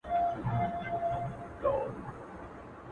• له لګېدلو سره توپیر وسي -